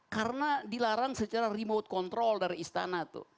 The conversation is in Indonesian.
karena dilarang secara remote control dari istana tuh